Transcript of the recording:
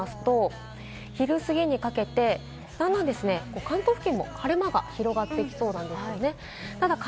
天気の移り変わりを見てみますと昼過ぎにかけて、だんだん関東付近も晴れ間が広がってきそうなんです。